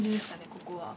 ここは。